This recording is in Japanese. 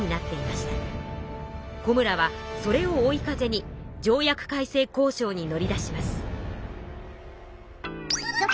小村はそれを追い風に条約改正交渉に乗り出します。